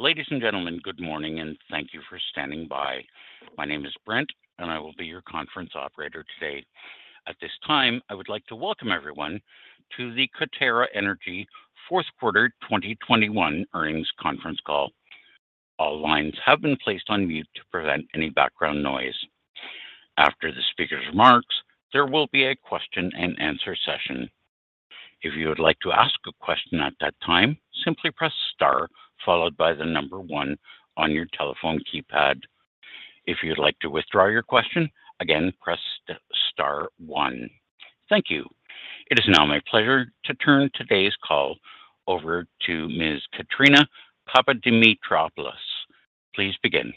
Ladies and gentlemen, good morning, and thank you for standing by. My name is Brent, and I will be your conference operator today. At this time, I would like to welcome everyone to the Coterra Energy fourth quarter 2021 earnings conference call. All lines have been placed on mute to prevent any background noise. After the speaker's remarks, there will be a question-and-answer session. If you would like to ask a question at that time, simply press star followed by the number one on your telephone keypad. If you'd like to withdraw your question, again, press star one. Thank you. It is now my pleasure to turn today's call over to Ms. Caterina Papadimitropoulos. Please begin.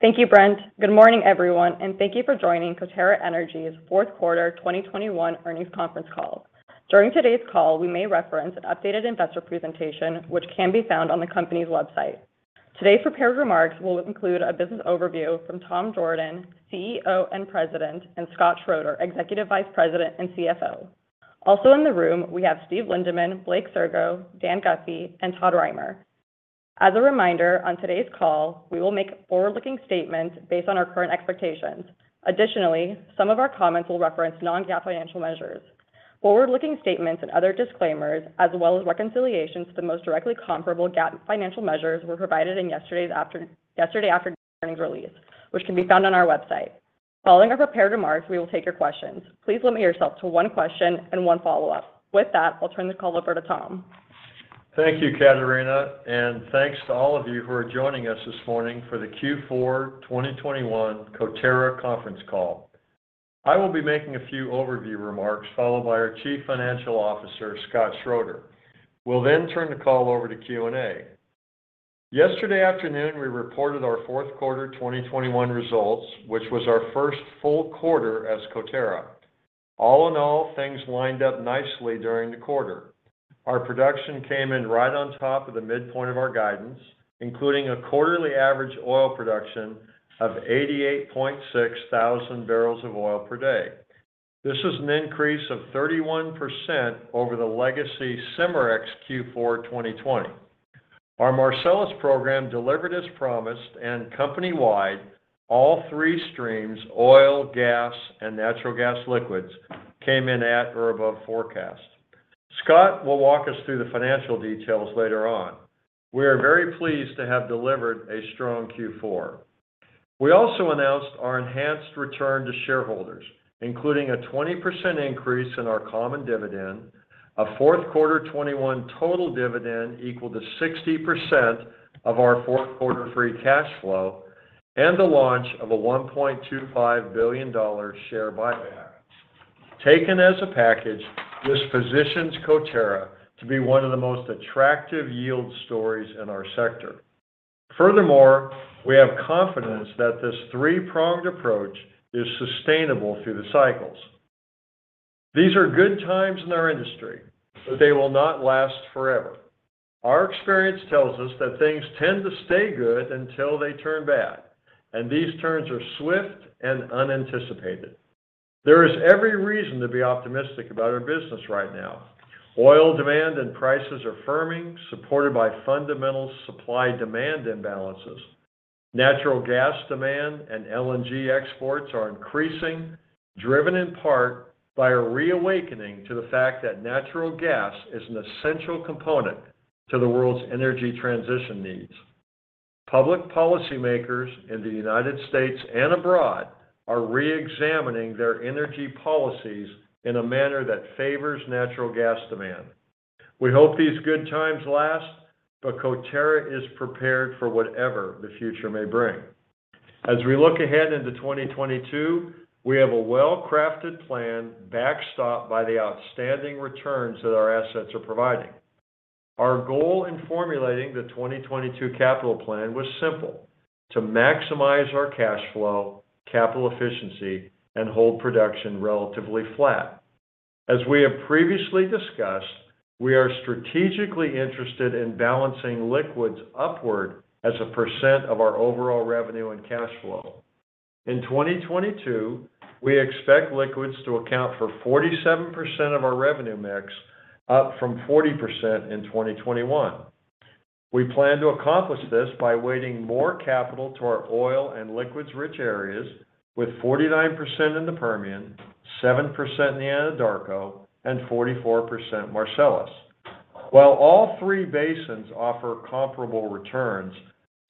Thank you, Brent. Good morning, everyone, and thank you for joining Coterra Energy's fourth quarter 2021 earnings conference call. During today's call, we may reference an updated investor presentation, which can be found on the company's website. Today's prepared remarks will include a business overview from Tom Jorden, CEO and President, and Scott Schroeder, Executive Vice President and CFO. Also in the room, we have Steven Lindeman, Blake Sirgo, Dan Guffey, and Todd Roemer. As a reminder, on today's call, we will make forward-looking statements based on our current expectations. Additionally, some of our comments will reference non-GAAP financial measures. Forward-looking statements and other disclaimers, as well as reconciliations to the most directly comparable GAAP financial measures, were provided in yesterday afternoon's release, which can be found on our website. Following our prepared remarks, we will take your questions. Please limit yourself to one question and one follow-up. With that, I'll turn the call over to Tom. Thank you, Caterina, and thanks to all of you who are joining us this morning for the Q4 2021 Coterra conference call. I will be making a few overview remarks, followed by our Chief Financial Officer, Scott Schroeder. We'll then turn the call over to Q&A. Yesterday afternoon, we reported our fourth quarter 2021 results, which was our first full quarter as Coterra. All in all, things lined up nicely during the quarter. Our production came in right on top of the midpoint of our guidance, including a quarterly average oil production of 88.6 MBOPD. This is an increase of 31% over the legacy Cimarex Q4 2020. Our Marcellus program delivered as promised, and company-wide, all three streams, oil, gas, and natural gas liquids, came in at or above forecast. Scott will walk us through the financial details later on. We are very pleased to have delivered a strong Q4. We also announced our enhanced return to shareholders, including a 20% increase in our common dividend, a fourth quarter 2021 total dividend equal to 60% of our fourth quarter free cash flow, and the launch of a $1.25 billion share buyback. Taken as a package, this positions Coterra to be one of the most attractive yield stories in our sector. Furthermore, we have confidence that this three-pronged approach is sustainable through the cycles. These are good times in our industry, but they will not last forever. Our experience tells us that things tend to stay good until they turn bad, and these turns are swift and unanticipated. There is every reason to be optimistic about our business right now. Oil demand and prices are firming, supported by fundamental supply-demand imbalances. Natural gas demand and LNG exports are increasing, driven in part by a reawakening to the fact that natural gas is an essential component to the world's energy transition needs. Public policy makers in the United States and abroad are re-examining their energy policies in a manner that favors natural gas demand. We hope these good times last, but Coterra is prepared for whatever the future may bring. As we look ahead into 2022, we have a well-crafted plan backstopped by the outstanding returns that our assets are providing. Our goal in formulating the 2022 capital plan was simple. To maximize our cash flow, capital efficiency, and hold production relatively flat. As we have previously discussed, we are strategically interested in balancing liquids upward as a percent of our overall revenue and cash flow. In 2022, we expect liquids to account for 47% of our revenue mix, up from 40% in 2021. We plan to accomplish this by weighting more capital to our oil and liquids-rich areas, with 49% in the Permian, 7% in the Anadarko, and 44% Marcellus. While all three basins offer comparable returns,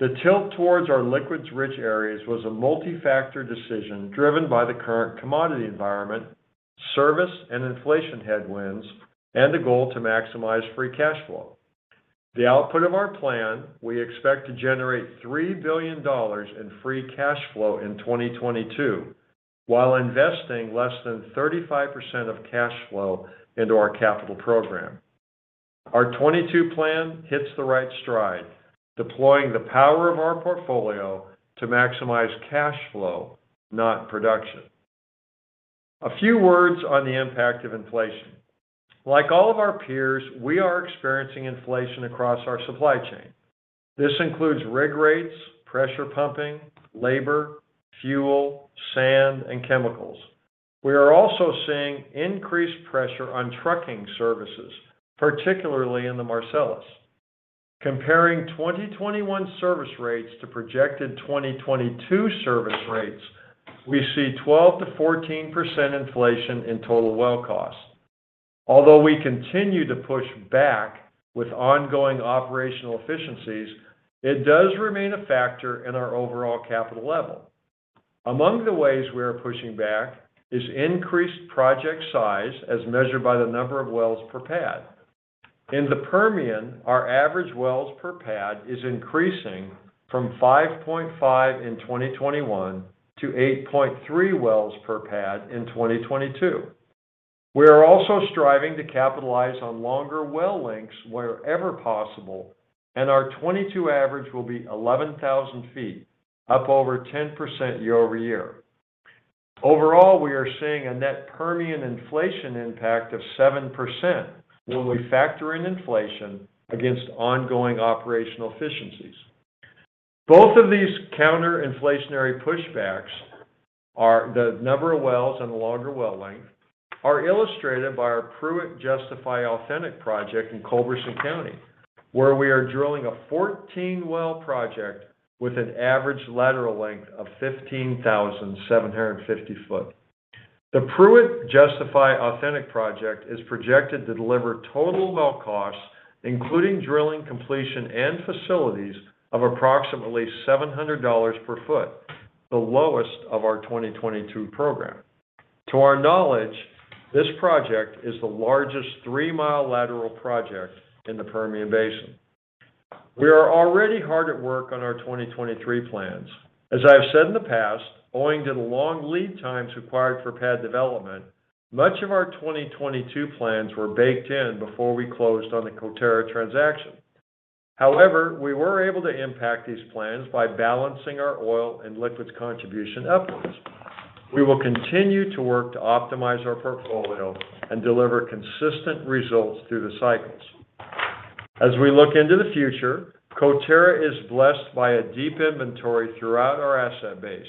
the tilt towards our liquids-rich areas was a multi-factor decision driven by the current commodity environment, service and inflation headwinds, and the goal to maximize free cash flow. The output of our plan, we expect to generate $3 billion in free cash flow in 2022, while investing less than 35% of cash flow into our capital program. Our 2022 plan hits the right stride, deploying the power of our portfolio to maximize cash flow, not production. A few words on the impact of inflation. Like all of our peers, we are experiencing inflation across our supply chain. This includes rig rates, pressure pumping, labor, fuel, sand, and chemicals. We are also seeing increased pressure on trucking services, particularly in the Marcellus. Comparing 2021 service rates to projected 2022 service rates, we see 12%-14% inflation in total well costs. Although we continue to push back with ongoing operational efficiencies, it does remain a factor in our overall capital level. Among the ways we are pushing back is increased project size as measured by the number of wells per pad. In the Permian, our average wells per pad is increasing from 5.5 in 2021 to 8.3 wells per pad in 2022. We are also striving to capitalize on longer well lengths wherever possible, and our 2022 average will be 11,000 ft, up over 10% year-over-year. Overall, we are seeing a net Permian inflation impact of 7% when we factor in inflation against ongoing operational efficiencies. Both of these counter-inflationary pushbacks, the number of wells and the longer well length, are illustrated by our Prewit-Justify/Authentic project in Culberson County, where we are drilling a 14-well project with an average lateral length of 15,750 ft. The Prewit-Justify/Authentic project is projected to deliver total well costs, including drilling, completion and facilities, of approximately $700 per foot, the lowest of our 2022 program. To our knowledge, this project is the largest 3 mi lateral project in the Permian Basin. We are already hard at work on our 2023 plans. As I have said in the past, owing to the long lead times required for pad development, much of our 2022 plans were baked in before we closed on the Coterra transaction. However, we were able to impact these plans by balancing our oil and liquids contribution upwards. We will continue to work to optimize our portfolio and deliver consistent results through the cycles. As we look into the future, Coterra is blessed by a deep inventory throughout our asset base.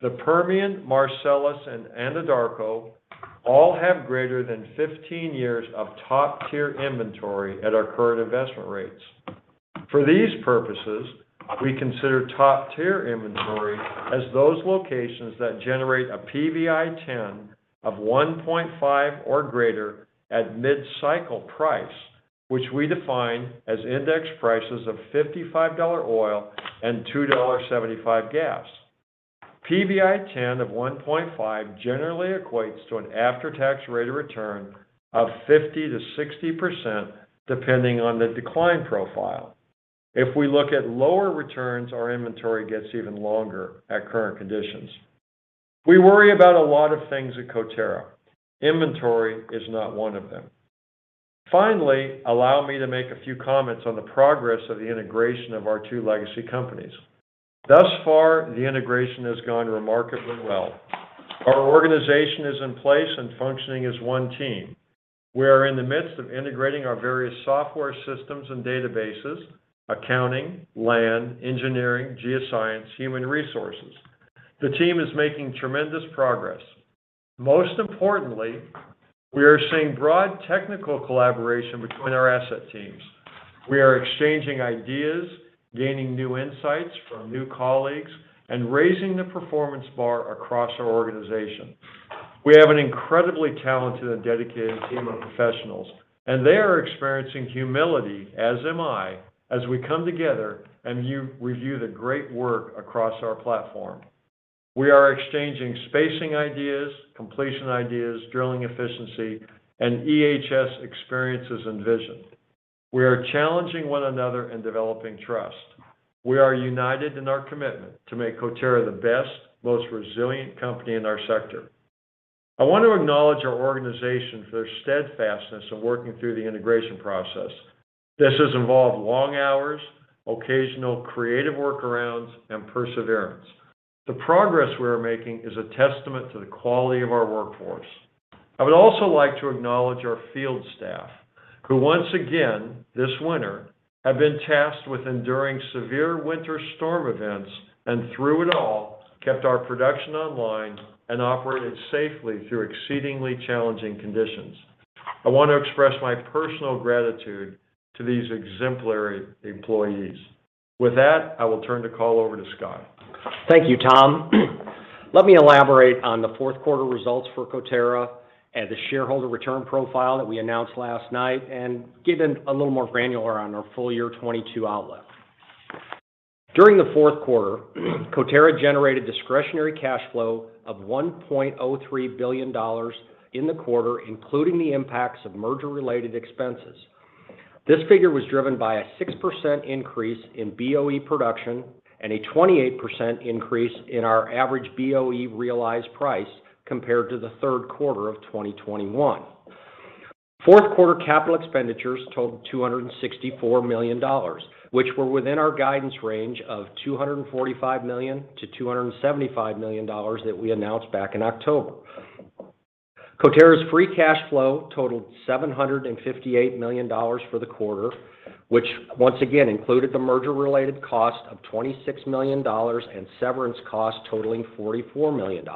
The Permian, Marcellus, and Anadarko all have greater than 15 years of top-tier inventory at our current investment rates. For these purposes, we consider top-tier inventory as those locations that generate a PVI10 of 1.5 or greater at mid-cycle price, which we define as index prices of $55 oil and $2.75 gas. PVI10 of 1.5 generally equates to an after-tax rate of return of 50%-60% depending on the decline profile. If we look at lower returns, our inventory gets even longer at current conditions. We worry about a lot of things at Coterra. Inventory is not one of them. Finally, allow me to make a few comments on the progress of the integration of our two legacy companies. Thus far, the integration has gone remarkably well. Our organization is in place and functioning as one team. We are in the midst of integrating our various software systems and databases, accounting, land, engineering, geoscience, human resources. The team is making tremendous progress. Most importantly, we are seeing broad technical collaboration between our asset teams. We are exchanging ideas, gaining new insights from new colleagues, and raising the performance bar across our organization. We have an incredibly talented and dedicated team of professionals, and they are experiencing humility, as am I, as we come together and you review the great work across our platform. We are exchanging spacing ideas, completion ideas, drilling efficiency, and EHS experiences and vision. We are challenging one another and developing trust. We are united in our commitment to make Coterra the best, most resilient company in our sector. I want to acknowledge our organization for their steadfastness in working through the integration process. This has involved long hours, occasional creative workarounds, and perseverance. The progress we are making is a testament to the quality of our workforce. I would also like to acknowledge our field staff, who once again this winter have been tasked with enduring severe winter storm events and through it all kept our production online and operated safely through exceedingly challenging conditions. I want to express my personal gratitude to these exemplary employees. With that, I will turn the call over to Scott. Thank you, Tom. Let me elaborate on the fourth quarter results for Coterra and the shareholder return profile that we announced last night and get a little more granular on our full-year 2022 outlook. During the fourth quarter, Coterra generated discretionary cash flow of $1.03 billion in the quarter, including the impacts of merger-related expenses. This figure was driven by a 6% increase in BOE production and a 28% increase in our average BOE realized price compared to the third quarter of 2021. Fourth quarter capital expenditures totaled $264 million, which were within our guidance range of $245 million-$275 million that we announced back in October. Coterra's free cash flow totaled $758 million for the quarter, which once again included the merger related cost of $26 million and severance costs totaling $44 million.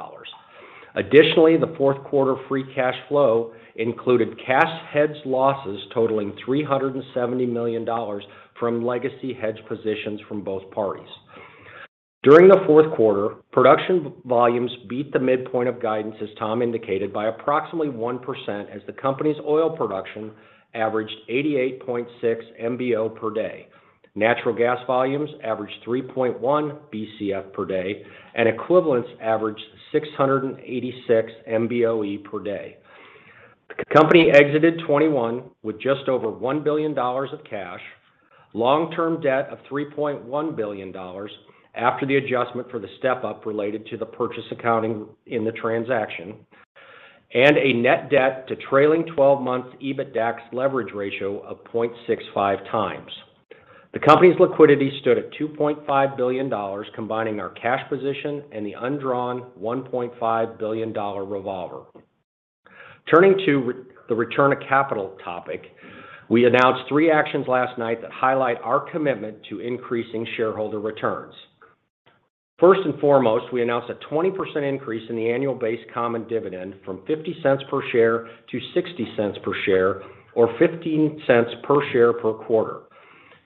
Additionally, the fourth quarter free cash flow included cash hedge losses totaling $370 million from legacy hedge positions from both parties. During the fourth quarter, production volumes beat the midpoint of guidance, as Tom indicated, by approximately 1% as the company's oil production averaged 88.6 MBO per day. Natural gas volumes averaged 3.1 BCF per day, and equivalents averaged 686 MBOE per day. The company exited 2021 with just over $1 billion of cash, long-term debt of $3.1 billion after the adjustment for the step-up related to the purchase accounting in the transaction, and a net debt to trailing twelve months EBITDAX leverage ratio of 0.65x. The company's liquidity stood at $2.5 billion, combining our cash position and the undrawn $1.5 billion revolver. Turning to the return of capital topic, we announced three actions last night that highlight our commitment to increasing shareholder returns. First and foremost, we announced a 20% increase in the annual base common dividend from $0.50 per share to $0.60 per share, or $0.15 per share per quarter.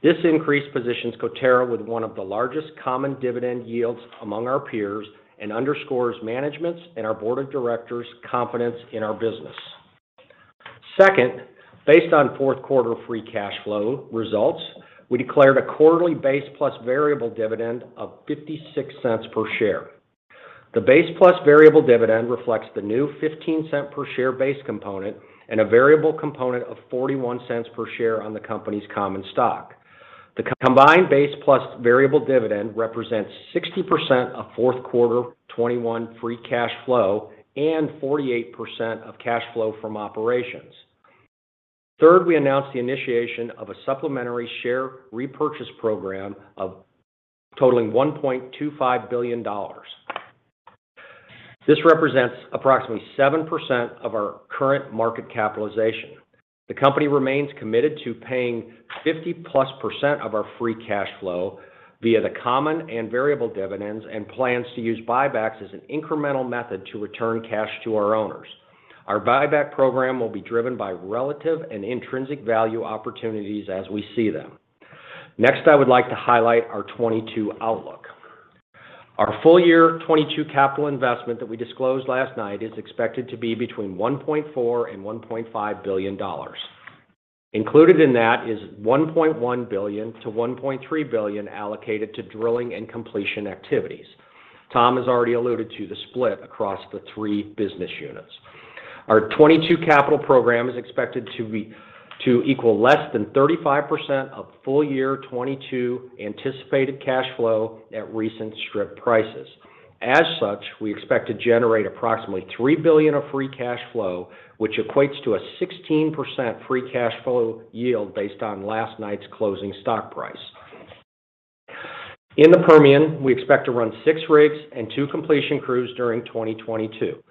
This increase positions Coterra with one of the largest common dividend yields among our peers and underscores management's and our board of directors confidence in our business. Second, based on fourth quarter free cash flow results, we declared a quarterly base plus variable dividend of $0.56 per share. The base plus variable dividend reflects the new $0.15 per share base component and a variable component of $0.41 per share on the company's common stock. The combined base plus variable dividend represents 60% of fourth quarter 2021 free cash flow and 48% of cash flow from operations. Third, we announced the initiation of a supplementary share repurchase program of totaling $1.25 billion. This represents approximately 7% of our current market capitalization. The company remains committed to paying 50%+ of our free cash flow via the common and variable dividends and plans to use buybacks as an incremental method to return cash to our owners. Our buyback program will be driven by relative and intrinsic value opportunities as we see them. Next, I would like to highlight our 2022 outlook. Our full year 2022 capital investment that we disclosed last night is expected to be between $1.4 billion and $1.5 billion. Included in that is $1.1 billion-$1.3 billion allocated to drilling and completion activities. Tom has already alluded to the split across the three business units. Our 2022 capital program is expected to equal less than 35% of full year 2022 anticipated cash flow at recent strip prices. As such, we expect to generate approximately $3 billion of free cash flow, which equates to a 16% free cash flow yield based on last night's closing stock price. In the Permian, we expect to run six rigs and two completion crews during 2022.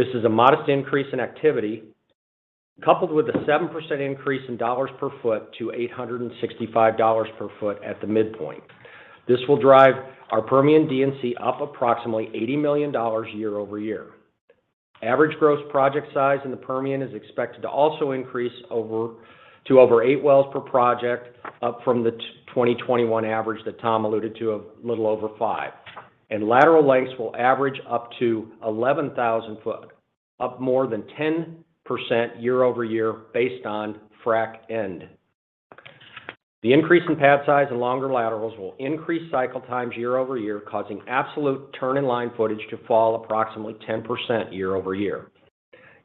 This is a modest increase in activity coupled with a 7% increase in dollars per foot to $865 per foot at the midpoint. This will drive our Permian D&C up approximately $80 million year-over-year. Average gross project size in the Permian is expected to also increase to over eight wells per project, up from the 2021 average that Tom alluded to of a little over five. Lateral lengths will average up to 11,000 ft, up more than 10% year-over-year based on frac end. The increase in pad size and longer laterals will increase cycle times year-over-year, causing absolute turn in line footage to fall approximately 10% year-over-year.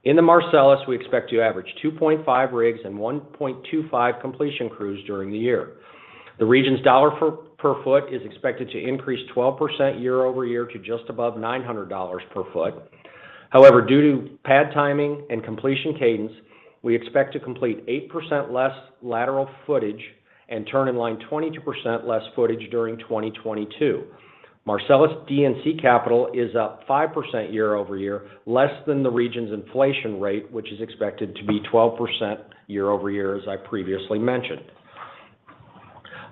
In the Marcellus, we expect to average 2.5 rigs and 1.25 completion crews during the year. The region's dollar per foot is expected to increase 12% year-over-year to just above $900 per foot. However, due to pad timing and completion cadence, we expect to complete 8% less lateral footage and turn in line 22% less footage during 2022. Marcellus D&C capital is up 5% year-over-year, less than the region's inflation rate, which is expected to be 12% year-over-year, as I previously mentioned.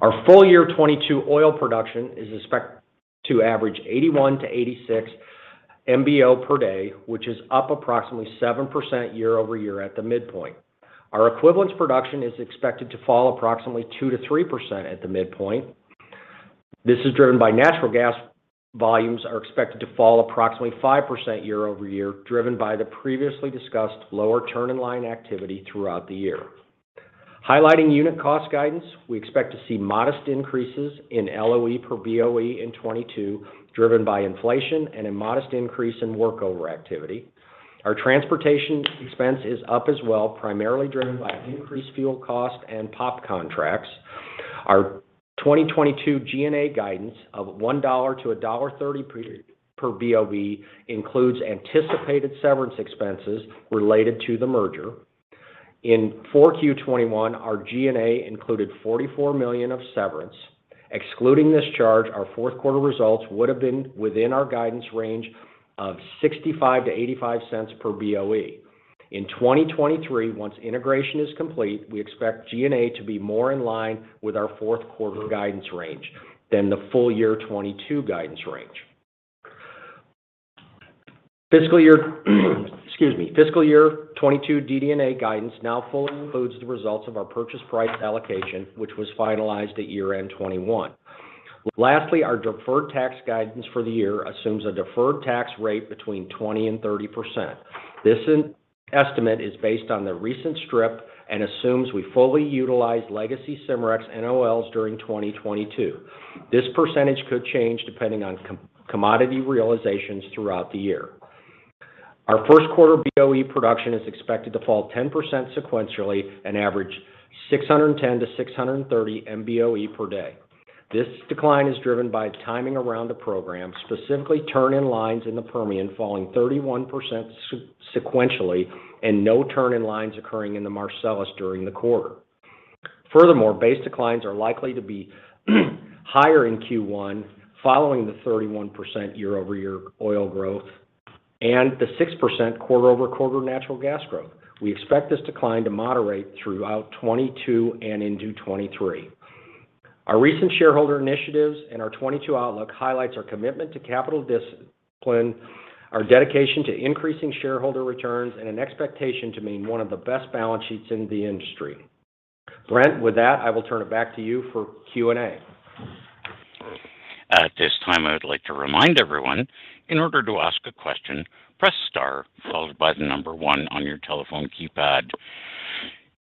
Our full year 2022 oil production is expected to average 81-86 MBO per day, which is up approximately 7% year-over-year at the midpoint. Our equivalents production is expected to fall approximately 2%-3% at the midpoint. This is driven by natural gas. Volumes are expected to fall approximately 5% year-over-year, driven by the previously discussed lower turn-in-line activity throughout the year. Highlighting unit cost guidance, we expect to see modest increases in LOE per BOE in 2022, driven by inflation and a modest increase in workover activity. Our transportation expense is up as well, primarily driven by increased fuel cost and POP contracts. Our 2022 G&A guidance of $1-$1.30 per BOE includes anticipated severance expenses related to the merger. In 4Q 2021, our G&A included $44 million of severance. Excluding this charge, our fourth quarter results would have been within our guidance range of $0.65-$0.85 per BOE. In 2023, once integration is complete, we expect G&A to be more in line with our fourth quarter guidance range than the full year 2022 guidance range. Fiscal year excuse me, fiscal year 2022 DD&A guidance now fully includes the results of our purchase price allocation, which was finalized at year-end 2021. Lastly, our deferred tax guidance for the year assumes a deferred tax rate between 20% and 30%. This estimate is based on the recent strip and assumes we fully utilize legacy Cimarex NOLs during 2022. This percentage could change depending on commodity realizations throughout the year. Our first quarter BOE production is expected to fall 10% sequentially and average 610-630 MBOE per day. This decline is driven by timing around the program, specifically turn-in-lines in the Permian falling 31% sequentially and no turn-in-lines occurring in the Marcellus during the quarter. Furthermore, base declines are likely to be higher in Q1 following the 31% year-over-year oil growth and the 6% quarter-over-quarter natural gas growth. We expect this decline to moderate throughout 2022 and into 2023. Our recent shareholder initiatives and our 2022 outlook highlights our commitment to capital discipline, our dedication to increasing shareholder returns, and an expectation to maintain one of the best balance sheets in the industry. Brent, with that, I will turn it back to you for Q&A. At this time, I would like to remind everyone, in order to ask a question, press star followed by the number one on your telephone keypad.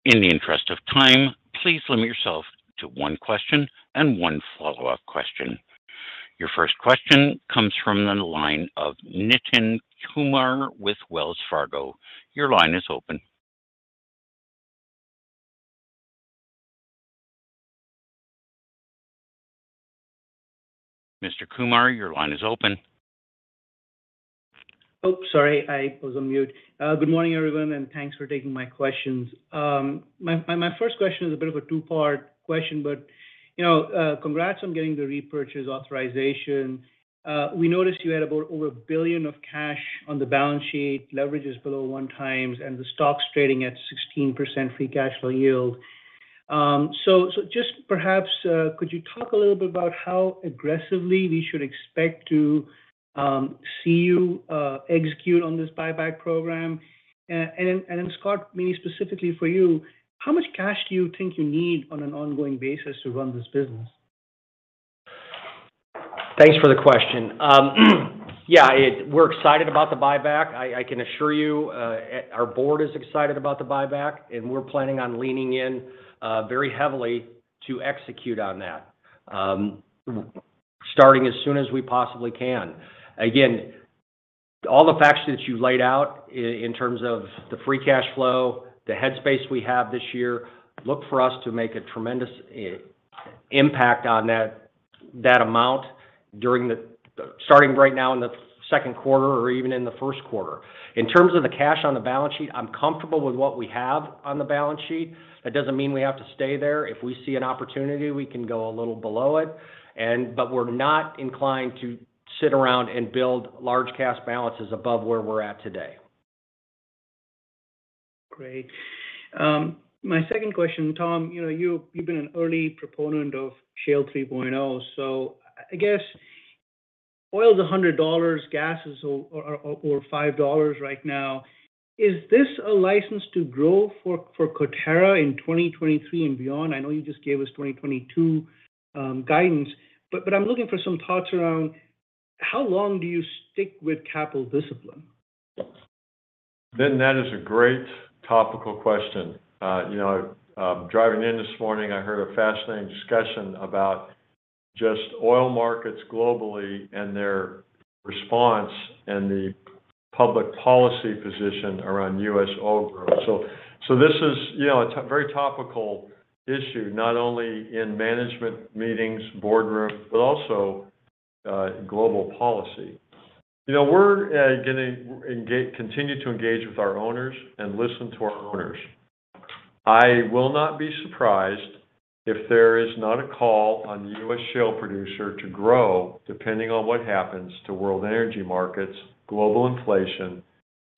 In the interest of time, please limit yourself to one question and one follow-up question. Your first question comes from the line of Nitin Kumar with Wells Fargo. Your line is open. Mr. Kumar, your line is open. Oh, sorry, I was on mute. Good morning, everyone, and thanks for taking my questions. My first question is a bit of a two-part question, but you know, congrats on getting the repurchase authorization. We noticed you had about over a billion of cash on the balance sheet, leverage is below 1x, and the stock's trading at 16% free cash flow yield. So just perhaps could you talk a little bit about how aggressively we should expect to see you execute on this buyback program? And then, Scott, maybe specifically for you, how much cash do you think you need on an ongoing basis to run this business? Thanks for the question. Yeah, we're excited about the buyback. I can assure you, our board is excited about the buyback, and we're planning on leaning in very heavily to execute on that, starting as soon as we possibly can. Again, all the facts that you've laid out in terms of the free cash flow, the headspace we have this year, look for us to make a tremendous impact on that amount starting right now in the second quarter or even in the first quarter. In terms of the cash on the balance sheet, I'm comfortable with what we have on the balance sheet. That doesn't mean we have to stay there. If we see an opportunity, we can go a little below it, but we're not inclined to sit around and build large cash balances above where we're at today. Great. My second question, Tom, you know, you've been an early proponent of Shale 3.0. I guess oil is $100, gas is over $5 right now. Is this a license to grow for Coterra in 2023 and beyond? I know you just gave us 2022 guidance, but I'm looking for some thoughts around how long do you stick with capital discipline? Nitin, that is a great topical question. You know, driving in this morning, I heard a fascinating discussion about just oil markets globally and their response and the public policy position around U.S. oil growth. This is, you know, very topical issue, not only in management meetings, boardrooms, but also global policy. You know, we're gonna continue to engage with our owners and listen to our owners. I will not be surprised if there is not a call on U.S. shale producer to grow depending on what happens to world energy markets, global inflation,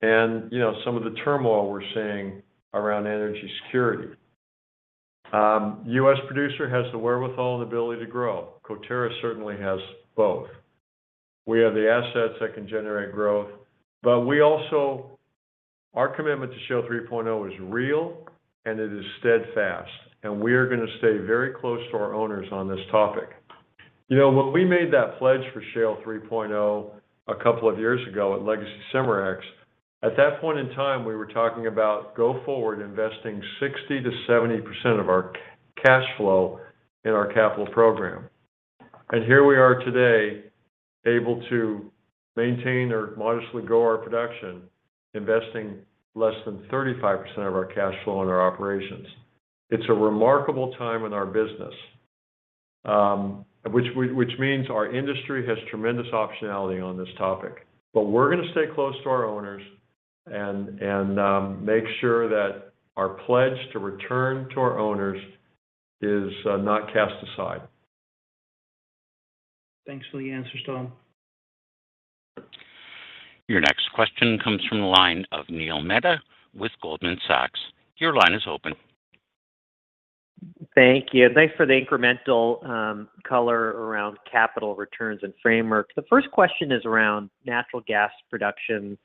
and, you know, some of the turmoil we're seeing around energy security. U.S. producer has the wherewithal and ability to grow. Coterra certainly has both. We have the assets that can generate growth, but we also our commitment to Shale 3.0 is real, and it is steadfast. We are gonna stay very close to our owners on this topic. You know, when we made that pledge for Shale 3.0 a couple of years ago at legacy Cimarex, at that point in time, we were talking about go forward investing 60%-70% of our cash flow in our capital program. Here we are today able to maintain or modestly grow our production, investing less than 35% of our cash flow in our operations. It's a remarkable time in our business, which means our industry has tremendous optionality on this topic. We're gonna stay close to our owners and make sure that our pledge to return to our owners is not cast aside. Thanks for the answers, Tom. Your next question comes from the line of Neil Mehta with Goldman Sachs. Your line is open. Thank you. Thanks for the incremental color around capital returns and framework. The first question is around natural gas production.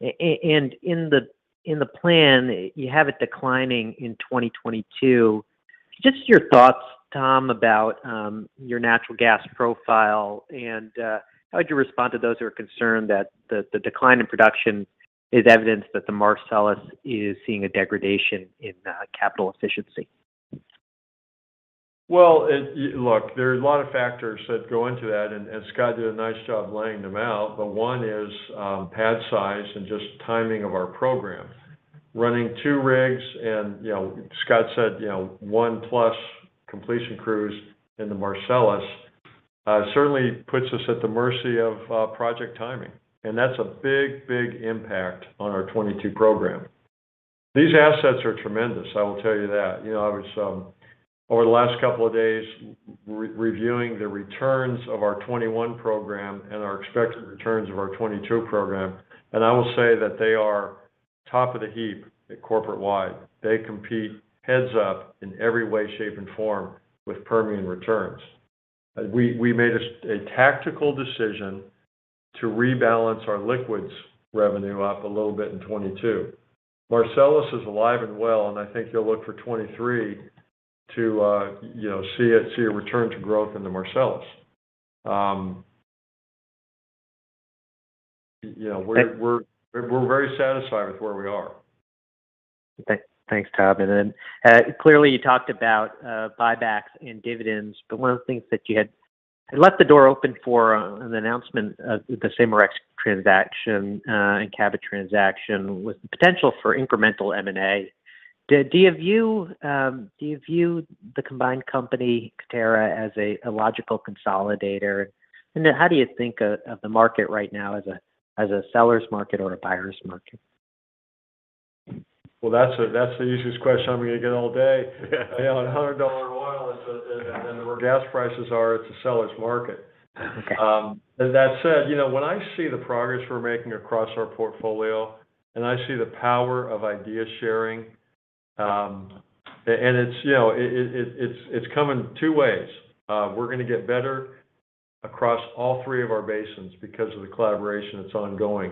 In the plan, you have it declining in 2022. Just your thoughts, Tom, about your natural gas profile, and how would you respond to those who are concerned that the decline in production is evidence that the Marcellus is seeing a degradation in capital efficiency? Look, there are a lot of factors that go into that, and Scott did a nice job laying them out. One is pad size and just timing of our program. Running two rigs and, you know, Scott said, you know, one-plus completion crews in the Marcellus certainly puts us at the mercy of project timing. That's a big impact on our 2022 program. These assets are tremendous, I will tell you that. You know, I was over the last couple of days reviewing the returns of our 2021 program and our expected returns of our 2022 program, and I will say that they are top of the heap at corporate-wide. They compete heads-up in every way, shape, and form with Permian returns. We made a tactical decision to rebalance our liquids revenue up a little bit in 2022. Marcellus is alive and well, and I think you'll look for 2023 to see a return to growth in the Marcellus. You know, we're very satisfied with where we are. Thanks, Tom. Clearly you talked about buybacks and dividends, but one of the things that you left the door open for, an announcement of the Cimarex transaction and Cabot transaction with potential for incremental M&A. Do you view the combined company, Coterra, as a logical consolidator? How do you think of the market right now as a seller's market or a buyer's market? Well, that's the easiest question I'm gonna get all day. You know, at $100 oil, and then where gas prices are, it's a seller's market. Okay. That said, you know, when I see the progress we're making across our portfolio, and I see the power of idea sharing, and it's, you know, it's coming two ways. We're gonna get better across all three of our basins because of the collaboration that's ongoing.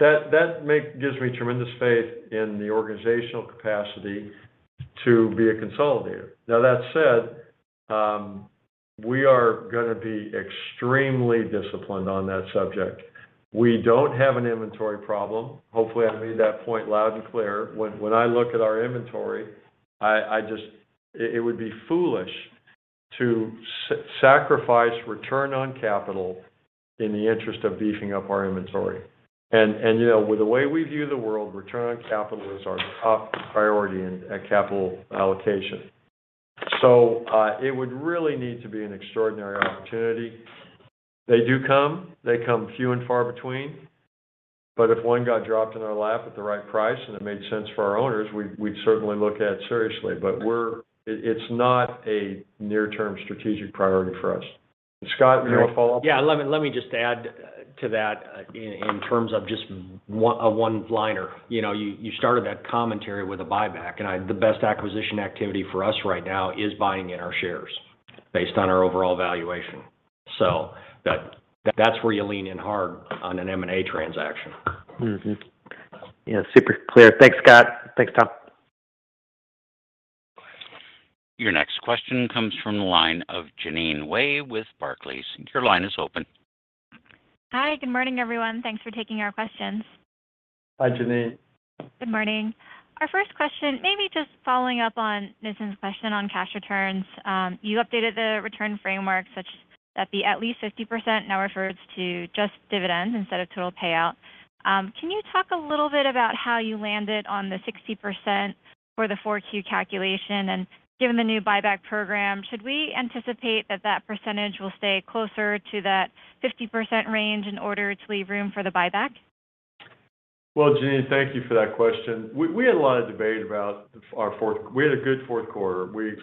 That gives me tremendous faith in the organizational capacity to be a consolidator. Now, that said, we are gonna be extremely disciplined on that subject. We don't have an inventory problem. Hopefully, I made that point loud and clear. When I look at our inventory, it would be foolish to sacrifice return on capital in the interest of beefing up our inventory. And you know, with the way we view the world, return on capital is our top priority in capital allocation. It would really need to be an extraordinary opportunity. They do come. They come few and far between. If one got dropped in our lap at the right price, and it made sense for our owners, we'd certainly look at it seriously. It's not a near-term strategic priority for us. Scott, you want to follow up? Yeah. Let me just add to that in terms of just oh, a one-liner. You know, you started that commentary with a buyback, and the best acquisition activity for us right now is buying in our shares based on our overall valuation. That's where you lean in hard on an M&A transaction. Mm-hmm. Yeah, super clear. Thanks, Scott. Thanks, Tom. Your next question comes from the line of Jeanine Wai with Barclays. Your line is open. Hi. Good morning, everyone. Thanks for taking our questions. Hi, Jeanine. Good morning. Our first question, maybe just following up on Nitin's question on cash returns. You updated the return framework such that the at least 50% now refers to just dividends instead of total payout. Can you talk a little bit about how you landed on the 60% for the 4Q calculation? Given the new buyback program, should we anticipate that that percentage will stay closer to that 50% range in order to leave room for the buyback? Well, Jeanine, thank you for that question. We had a lot of debate about our fourth quarter. We had a good fourth quarter. We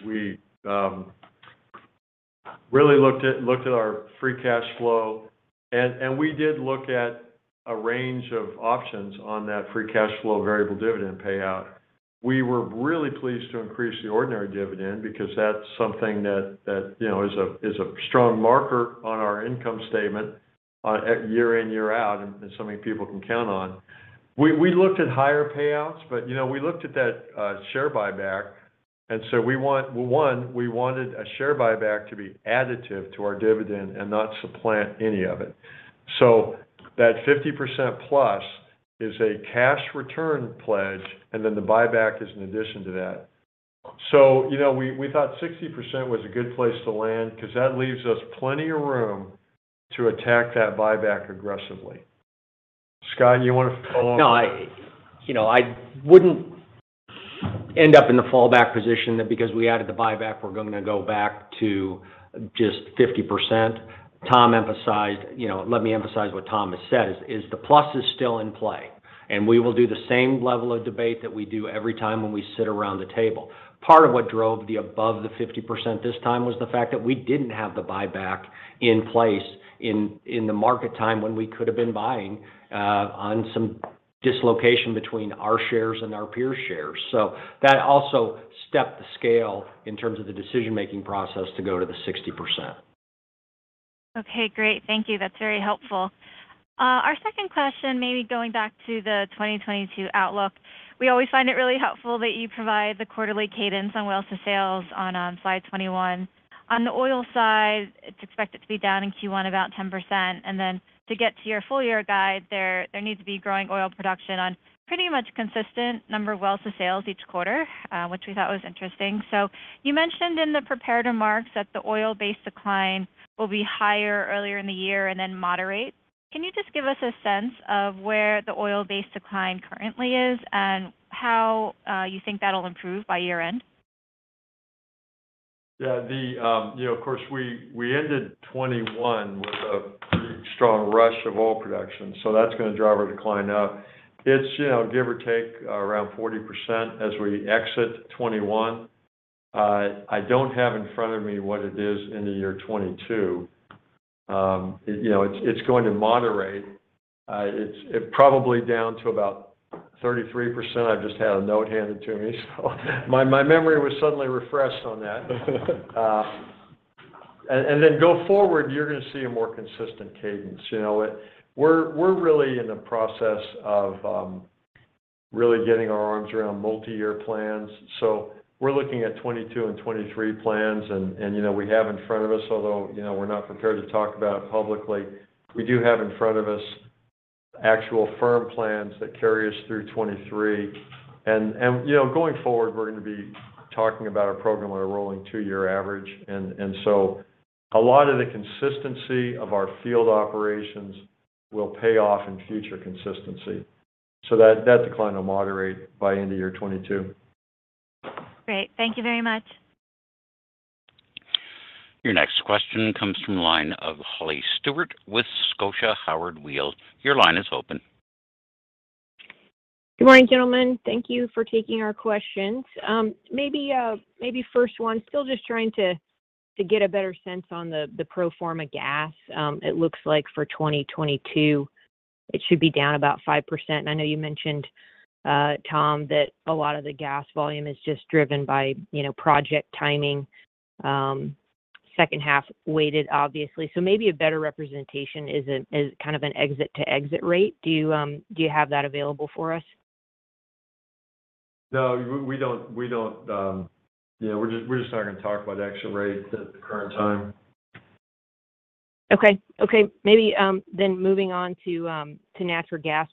really looked at our free cash flow, and we did look at a range of options on that free cash flow variable dividend payout. We were really pleased to increase the ordinary dividend because that's something that you know is a strong marker on our income statement year in, year out, and something people can count on. We looked at higher payouts, but you know, we looked at that share buyback. We wanted a share buyback to be additive to our dividend and not supplant any of it. That 50% plus is a cash return pledge, and then the buyback is in addition to that. You know, we thought 60% was a good place to land because that leaves us plenty of room to attack that buyback aggressively. Scott, you wanna follow up? No, you know, I wouldn't end up in the fallback position that because we added the buyback, we're going to go back to just 50%. Tom emphasized, you know, let me emphasize what Tom has said is the plus is still in play, and we will do the same level of debate that we do every time when we sit around the table. Part of what drove the above the 50% this time was the fact that we didn't have the buyback in place in the market at the time when we could have been buying on some dislocation between our shares and our peers' shares. That also tipped the scale in terms of the decision-making process to go to the 60%. Okay, great. Thank you. That's very helpful. Our second question, maybe going back to the 2022 outlook. We always find it really helpful that you provide the quarterly cadence on wells to sales on slide 21. On the oil side, it's expected to be down in Q1 about 10%. Then to get to your full year guide there needs to be growing oil production on pretty much consistent number of wells to sales each quarter, which we thought was interesting. You mentioned in the prepared remarks that the oil-based decline will be higher earlier in the year and then moderate. Can you just give us a sense of where the oil-based decline currently is and how you think that'll improve by year-end? Yeah. You know, of course, we ended 2021 with a pretty strong rush of oil production, so that's gonna drive our decline up. It's you know, give or take around 40% as we exit 2021. I don't have in front of me what it is into 2022. You know, it's going to moderate. It's probably down to about 33%. I've just had a note handed to me. My memory was suddenly refreshed on that. Go forward, you're gonna see a more consistent cadence. You know, we're really in the process of really getting our arms around multi-year plans. We're looking at 2022 and 2023 plans and, you know, we have in front of us, although, you know, we're not prepared to talk about it publicly. We do have in front of us actual firm plans that carry us through 2023. You know, going forward, we're gonna be talking about our program on a rolling two-year average. A lot of the consistency of our field operations will pay off in future consistency. That decline will moderate by end of year 2022. Great. Thank you very much. Your next question comes from the line of Holly Stewart with Scotia Howard Weil. Your line is open. Good morning, gentlemen. Thank you for taking our questions. Maybe first one, still just trying to get a better sense on the pro forma gas. It looks like for 2022, it should be down about 5%. I know you mentioned, Tom, that a lot of the gas volume is just driven by, you know, project timing, second half weighted obviously. Maybe a better representation is kind of an exit-to-exit rate. Do you have that available for us? No, we don't. Yeah, we're just not gonna talk about the actual rates at the current time. Okay. Maybe then moving on to natural gas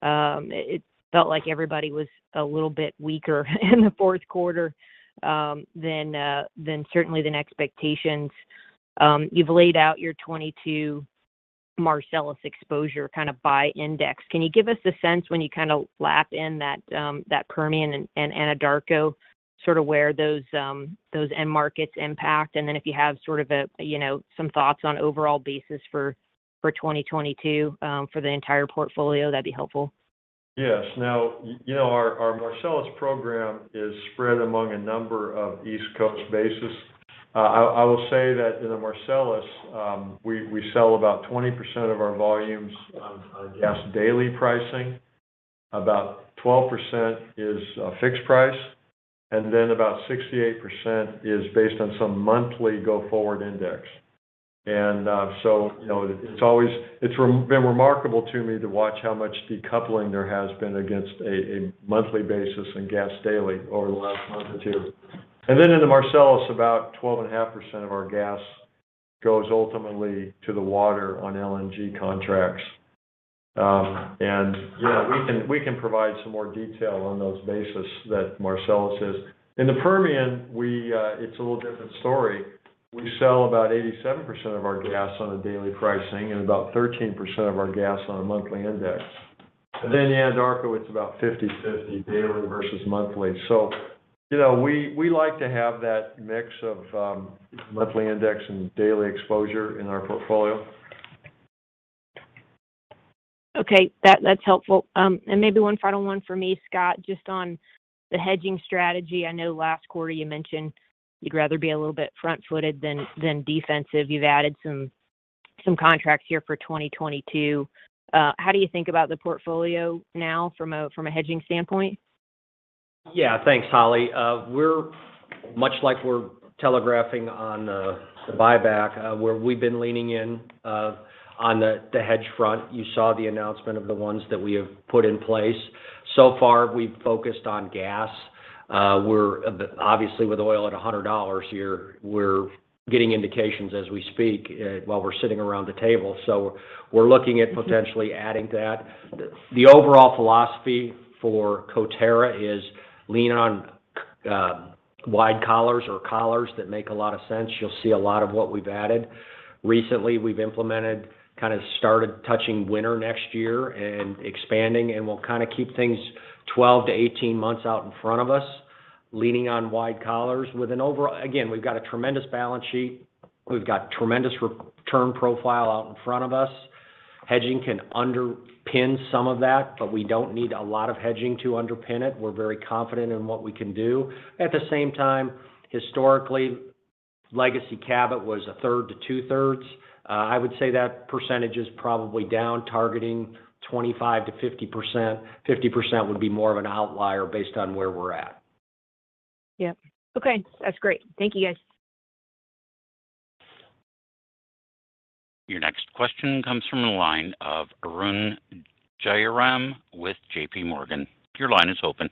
basis. It felt like everybody was a little bit weaker in the fourth quarter than certainly expectations. You've laid out your 2022 Marcellus exposure kind of by index. Can you give us a sense when you kind of lap in that Permian and Anadarko, sort of where those end markets impact? If you have sort of a, you know, some thoughts on overall basis for 2022 for the entire portfolio, that'd be helpful. Yes. Now, you know, our Marcellus program is spread among a number of East Coast basins. I will say that in the Marcellus, we sell about 20% of our volumes on gas daily pricing, about 12% is fixed price, and then about 68% is based on some monthly go-forward index. So, you know, it's always been remarkable to me to watch how much decoupling there has been against a monthly basis in gas daily over the last month or two. Then in the Marcellus, about 12.5% of our gas goes ultimately to the waterborne on LNG contracts. We can provide some more detail on those basins that Marcellus is in. In the Permian, we, it's a little different story. We sell about 87% of our gas on a daily pricing and about 13% of our gas on a monthly index. Then the Anadarko, it's about 50/50 daily versus monthly. You know, we like to have that mix of monthly index and daily exposure in our portfolio. That's helpful. Maybe one final one for me, Scott, just on the hedging strategy. I know last quarter you mentioned you'd rather be a little bit front-footed than defensive. You've added some contracts here for 2022. How do you think about the portfolio now from a hedging standpoint? Yeah. Thanks, Holly. We're much like telegraphing on the buyback, where we've been leaning in on the hedge front. You saw the announcement of the ones that we have put in place. So far, we've focused on gas. Obviously, with oil at $100 here, we're getting indications as we speak while we're sitting around the table. We're looking at potentially adding that. The overall philosophy for Coterra is lean on wide collars or collars that make a lot of sense. You'll see a lot of what we've added. Recently, we've implemented, kind of started targeting winter next year and expanding, and we'll kind of keep things 12 months-18 months out in front of us, leaning on wide collars. With an overall. Again, we've got a tremendous balance sheet. We've got tremendous return profile out in front of us. Hedging can underpin some of that, but we don't need a lot of hedging to underpin it. We're very confident in what we can do. At the same time, historically, legacy Cabot was a third to two-thirds. I would say that percentage is probably down, targeting 25%-50%. 50% would be more of an outlier based on where we're at. Yeah. Okay. That's great. Thank you, guys. Your next question comes from the line of Arun Jayaram with JPMorgan. Your line is open.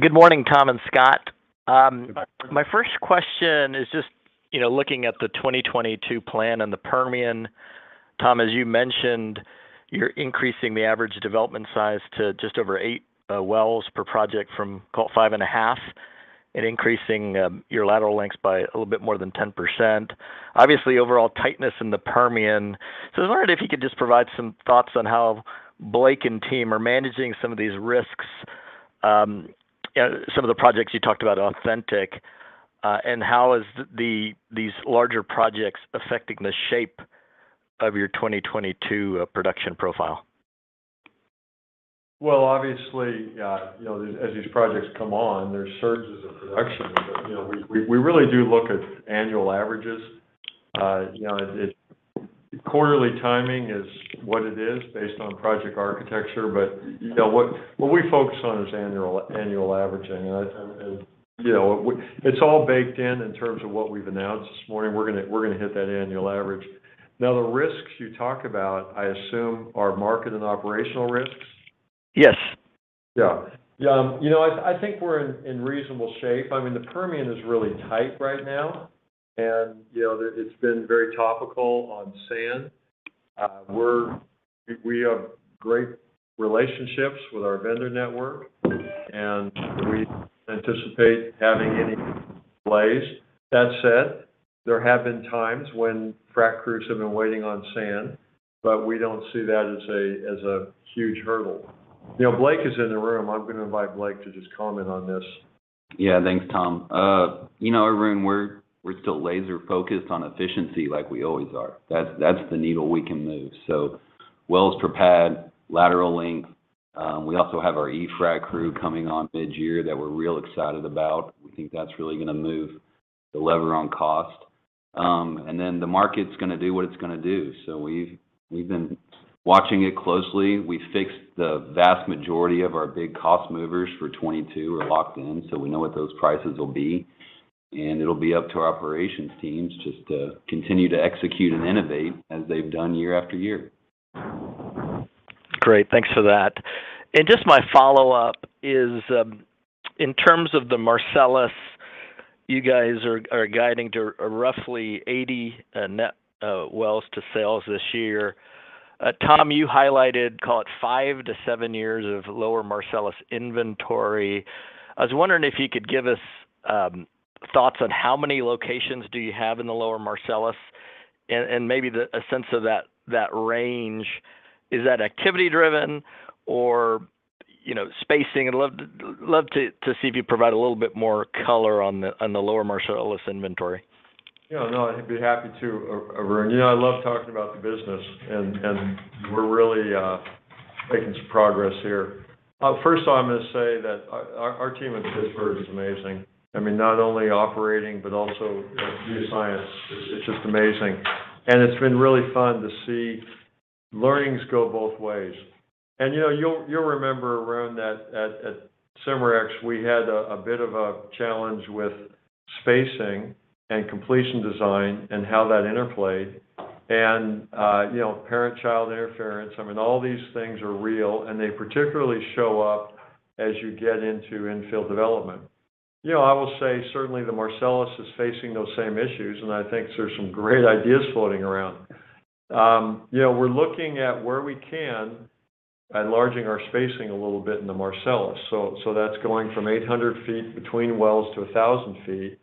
Good morning, Tom and Scott. Good morning. My first question is just, you know, looking at the 2022 plan in the Permian. Tom, as you mentioned, you're increasing the average development size to just over eight wells per project from, call it, five and a half, and increasing your lateral lengths by a little bit more than 10%. Obviously, overall tightness in the Permian. I was wondering if you could just provide some thoughts on how Blake and team are managing some of these risks, you know, some of the projects you talked about Authentic. And how are these larger projects affecting the shape of your 2022 production profile? Well, obviously, you know, as these projects come on, there's surges of production. You know, we really do look at annual averages. Quarterly timing is what it is based on project architecture. What we focus on is annual averaging. It's all baked in terms of what we've announced this morning. We're gonna hit that annual average. Now, the risks you talk about, I assume, are market and operational risks? Yes. Yeah. You know, I think we're in reasonable shape. I mean, the Permian is really tight right now, and you know, it's been very topical on sand. We have great relationships with our vendor network, and we anticipate having any delays. That said, there have been times when frac crews have been waiting on sand, but we don't see that as a huge hurdle. You know, Blake is in the room. I'm gonna invite Blake to just comment on this. Yeah. Thanks, Tom. You know, Arun, we're still laser focused on efficiency like we always are. That's the needle we can move. Wells per pad, lateral length. We also have our eFrac crew coming on mid-year that we're real excited about. We think that's really gonna move the lever on cost. The market's gonna do what it's gonna do. We've been watching it closely. We fixed the vast majority of our big cost movers for 2022. We're locked in, so we know what those prices will be. It'll be up to our operations teams just to continue to execute and innovate as they've done year after year. Great. Thanks for that. Just my follow-up is, in terms of the Marcellus, you guys are guiding to roughly 80 net wells to sales this year. Tom, you highlighted, call it, five to seven years of Lower Marcellus inventory. I was wondering if you could give us thoughts on how many locations do you have in the Lower Marcellus and maybe a sense of that range. Is that activity driven or, you know, spacing? I'd love to see if you provide a little bit more color on the Lower Marcellus inventory. I'd be happy to, Arun. You know I love talking about the business and we're really making some progress here. First of all, I'm gonna say that our team in Pittsburgh is amazing. I mean, not only operating, but also, you know, geoscience. It's just amazing. It's been really fun to see learnings go both ways. You know, you'll remember, Arun, that at Cimarex, we had a bit of a challenge with spacing and completion design and how that interplayed. You know, parent-child interference. I mean, all these things are real, and they particularly show up as you get into infill development. You know, I will say certainly the Marcellus is facing those same issues, and I think there's some great ideas floating around. You know, we're looking at where we can enlarge our spacing a little bit in the Marcellus. That's going from 800 ft between wells to 1,000 ft.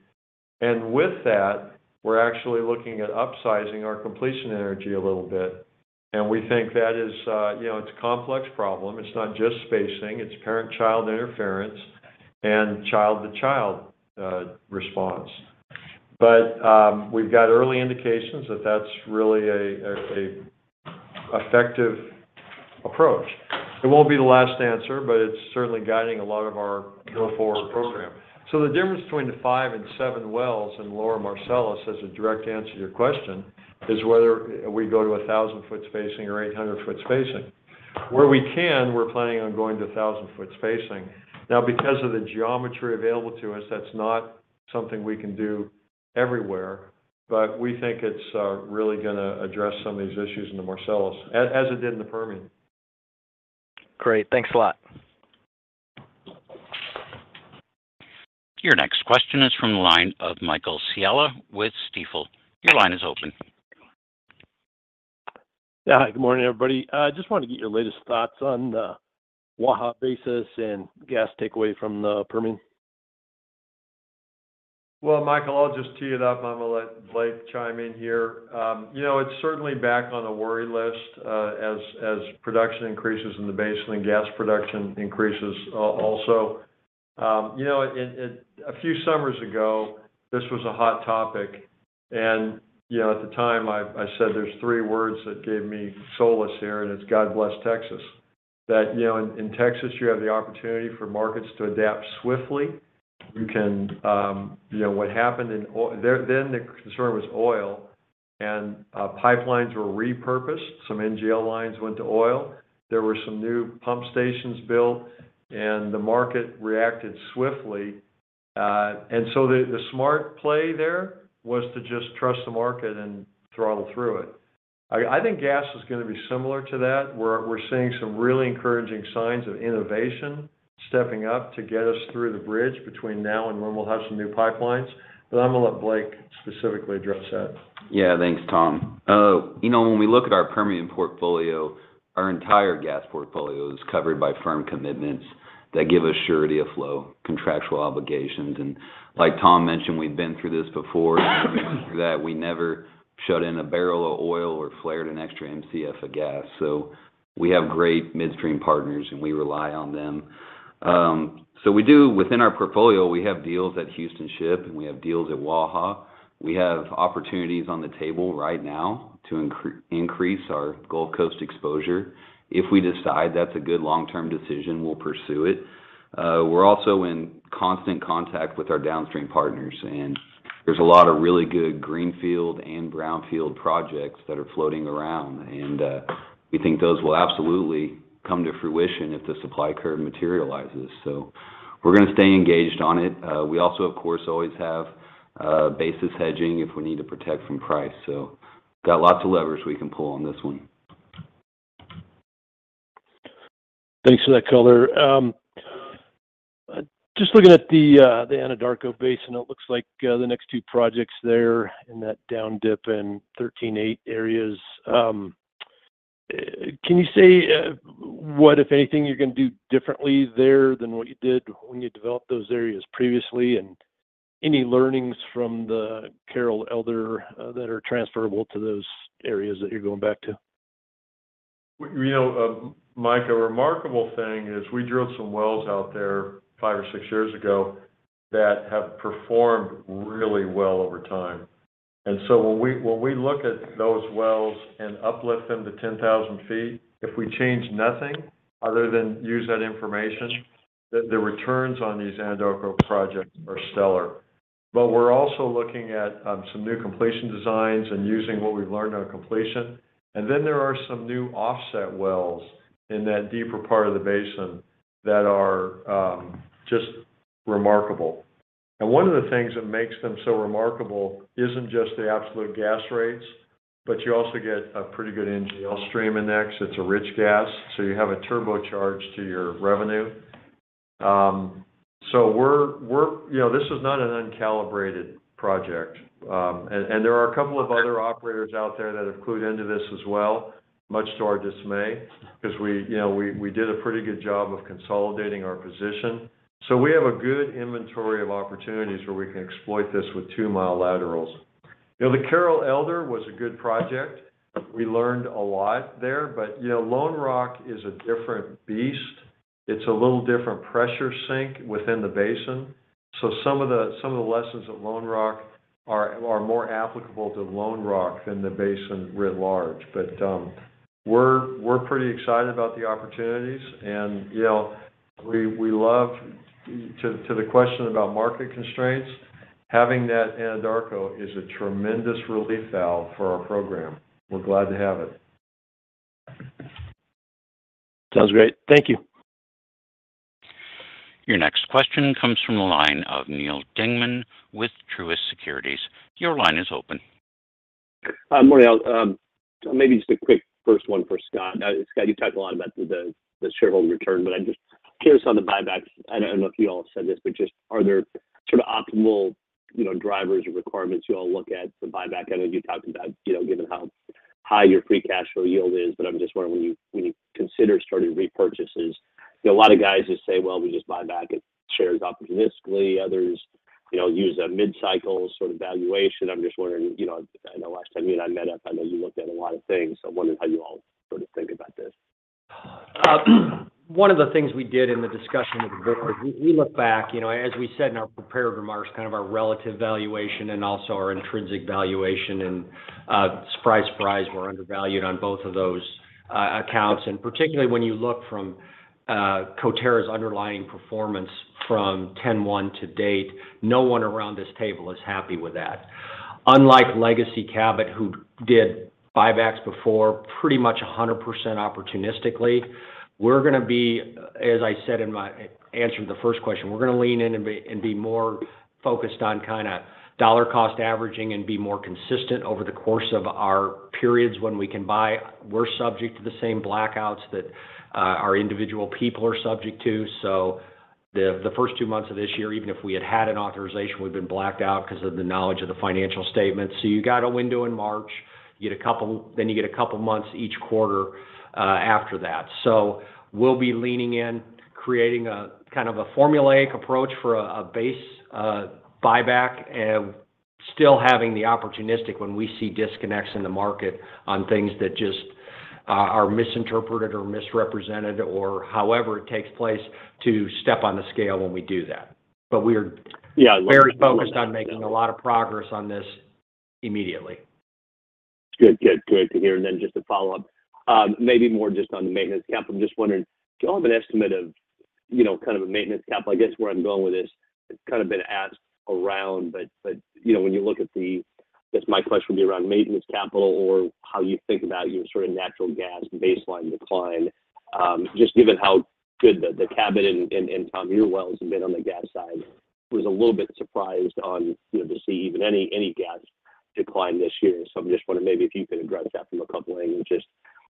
With that, we're actually looking at upsizing our completion intensity a little bit. We think that is a complex problem. It's not just spacing, it's parent-child interference and child-to-child response. We've got early indications that that's really an effective approach. It won't be the last answer, but it's certainly guiding a lot of our go-forward program. The difference between the five and seven wells in Lower Marcellus, as a direct answer to your question, is whether we go to a 1,000-foot spacing or 800-foot spacing. Where we can, we're planning on going to a 1,000-foot spacing. Now, because of the geometry available to us, that's not something we can do everywhere. We think it's really gonna address some of these issues in the Marcellus, as it did in the Permian. Great. Thanks a lot. Your next question is from the line of Michael Scialla with Stifel. Your line is open. Yeah. Good morning, everybody. Just want to get your latest thoughts on the Waha basis and gas takeaway from the Permian. Well, Michael, I'll just tee it up, I'm gonna let Blake chime in here. You know, it's certainly back on the worry list, as production increases in the basin, and gas production increases also. You know, a few summers ago, this was a hot topic. You know, at the time, I said there's three words that gave me solace here, and it's God bless Texas. That, you know, in Texas, you have the opportunity for markets to adapt swiftly. You can, you know, the concern was oil, and pipelines were repurposed. Some NGL lines went to oil. There were some new pump stations built, and the market reacted swiftly. The smart play there was to just trust the market and throttle through it. I think gas is gonna be similar to that. We're seeing some really encouraging signs of innovation stepping up to get us through the bridge between now and when we'll have some new pipelines. I'm gonna let Blake specifically address that. Yeah. Thanks, Tom. You know, when we look at our Permian portfolio, our entire gas portfolio is covered by firm commitments that give us surety of flow, contractual obligations. Like Tom mentioned, we've been through this before, that we never shut in a barrel of oil or flared an extra MCF of gas. We have great midstream partners, and we rely on them. Within our portfolio, we have deals at Houston Ship Channel, and we have deals at Waha. We have opportunities on the table right now to increase our Gulf Coast exposure. If we decide that's a good long-term decision, we'll pursue it. We're also in constant contact with our downstream partners, and there's a lot of really good greenfield and brownfield projects that are floating around. We think those will absolutely come to fruition if the supply curve materializes. We're gonna stay engaged on it. We also, of course, always have basis hedging if we need to protect from price. Got lots of levers we can pull on this one. Thanks for that color. Just looking at the Anadarko Basin, it looks like the next two projects there in that down dip in 13-8 areas. Can you say what, if anything, you're gonna do differently there than what you did when you developed those areas previously? Any learnings from the Carroll-Elder that are transferable to those areas that you're going back to? You know, Mike, a remarkable thing is we drilled some wells out there five or six years ago that have performed really well over time. When we look at those wells and uplift them to 10,000 ft, if we change nothing other than use that information, the returns on these Anadarko projects are stellar. We're also looking at some new completion designs and using what we've learned on completion. There are some new offset wells in that deeper part of the basin that are just remarkable. One of the things that makes them so remarkable isn't just the absolute gas rates, but you also get a pretty good NGL stream index. It's a rich gas, so you have a turbocharge to your revenue. You know, this is not an uncalibrated project. There are a couple of other operators out there that have clued into this as well, much to our dismay, 'cause we, you know, we did a pretty good job of consolidating our position. We have a good inventory of opportunities where we can exploit this with two-mile laterals. You know, the Carroll-Elder was a good project. We learned a lot there. You know, Lone Rock is a different beast. It's a little different pressure sink within the basin. Some of the lessons at Lone Rock are more applicable to Lone Rock than the basin writ large. We're pretty excited about the opportunities. You know, we love to the question about market constraints, having that Anadarko is a tremendous relief valve for our program. We're glad to have it. Sounds great. Thank you. Your next question comes from the line of Neal Dingmann with Truist Securities. Your line is open. Morning all. Maybe just a quick first one for Scott. Scott, you talked a lot about the shareholder return, but I'm just curious on the buybacks. I don't know if you all have said this, but just are there sort of optimal, you know, drivers or requirements you all look at for buyback? I know you talked about, you know, given how high your free cash flow yield is, but I'm just wondering when you consider starting repurchases. You know, a lot of guys just say, "Well, we just buy back shares opportunistically." Others, you know, use a mid-cycle sort of valuation. I'm just wondering, you know, I know last time you and I met up, I know you looked at a lot of things. So I'm wondering how you all sort of think about this. One of the things we did in the discussion of the board, we look back, you know, as we said in our prepared remarks, kind of our relative valuation and also our intrinsic valuation. Surprise, surprise, we're undervalued on both of those accounts. Particularly when you look from Coterra's underlying performance from 10/1 to date, no one around this table is happy with that. Unlike legacy Cabot, who did buybacks before, pretty much 100% opportunistically. We're gonna be, as I said in my answer to the first question, we're gonna lean in and be more focused on kinda dollar cost averaging and be more consistent over the course of our periods when we can buy. We're subject to the same blackouts that our individual people are subject to. The first two months of this year, even if we had had an authorization, we've been blacked out because of the knowledge of the financial statements. You got a window in March, you get a couple of months each quarter after that. We'll be leaning in, creating a kind of a formulaic approach for a base buyback and still having the opportunistic when we see disconnects in the market on things that just are misinterpreted or misrepresented or however it takes place to step on the scale when we do that. We are very focused on making a lot of progress on this immediately. Good to hear. Then just to follow up, maybe more just on the maintenance cap. I'm just wondering, do you all have an estimate of, you know, kind of a maintenance cap? I guess where I'm going with this, it's kind of been asked around, but, you know, when you look at the, I guess my question would be around maintenance capital or how you think about your sort of natural gas baseline decline, just given how good the Cabot and Tom, your wells have been on the gas side. Was a little bit surprised, you know, to see even any gas decline this year. I'm just wondering maybe if you could address that from a couple angles. Just,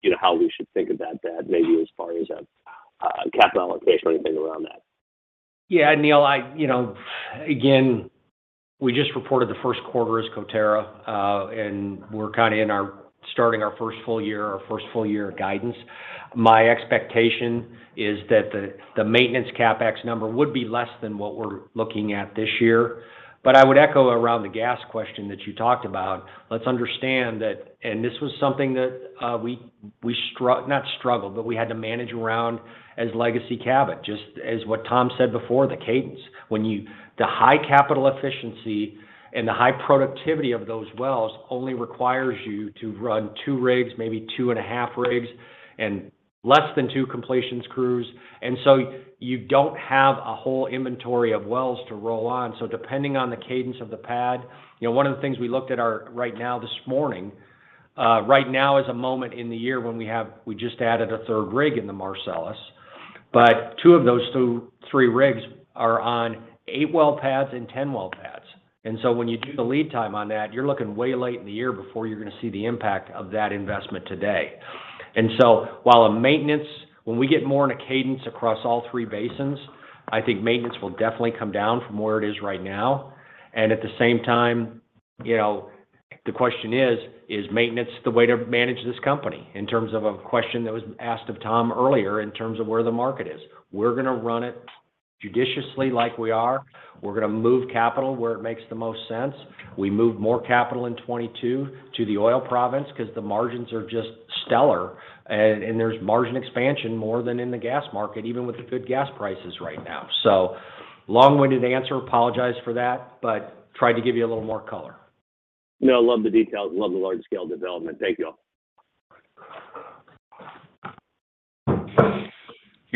you know, how we should think about that maybe as far as, capital allocation or anything around that. Yeah. Neil, you know, again, we just reported the first quarter as Coterra, and we're starting our first full year of guidance. My expectation is that the maintenance CapEx number would be less than what we're looking at this year. But I would echo around the gas question that you talked about. Let's understand that. This was something that we not struggled, but we had to manage around as legacy Cabot, just as what Tom said before, the cadence. The high capital efficiency and the high productivity of those wells only requires you to run two rigs, maybe two and a half rigs, and less than two completions crews. You don't have a whole inventory of wells to roll on. Depending on the cadence of the pad, you know, one of the things we looked at are right now this morning, right now is a moment in the year when we just added a third rig in the Marcellus. Two of those three rigs are on eight-well pads and 10-well pads. When you do the lead time on that, you're looking way late in the year before you're gonna see the impact of that investment today. When we get more of a cadence across all three basins, I think maintenance will definitely come down from where it is right now. At the same time, you know, the question is maintenance the way to manage this company? In terms of a question that was asked of Tom earlier in terms of where the market is. We're gonna run it judiciously like we are. We're gonna move capital where it makes the most sense. We move more capital in 2022 to the oil province because the margins are just stellar and there's margin expansion more than in the gas market, even with the good gas prices right now. Long-winded answer, apologize for that, but tried to give you a little more color. No, love the details. Love the large scale development. Thank you.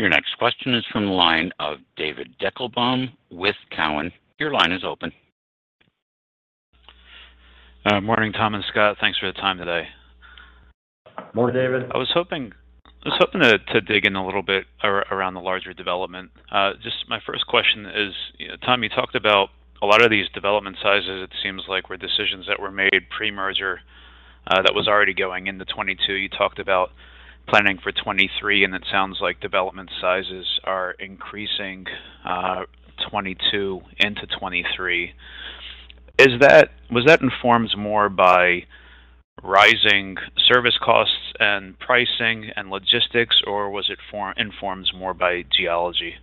Your next question is from the line of David Deckelbaum with Cowen. Your line is open. Morning, Tom and Scott. Thanks for the time today. Morning, David. I was hoping to dig in a little bit around the larger development. Just my first question is, Tom, you talked about a lot of these development sizes, it seems like, were decisions that were made pre-merger, that was already going into 2022. You talked about planning for 2023, and it sounds like development sizes are increasing, 2022 into 2023. Was that informed more by rising service costs and pricing and logistics, or was it informed more by geology?